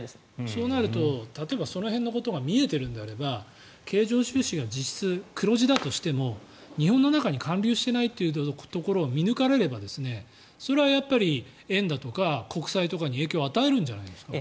そうなると例えばその辺のことが見えているなら経常収支が実質黒字だとしても日本の中に還流していないというところを見抜かれればそれはやっぱり円だとか国債的に影響を与えるんじゃないんですか？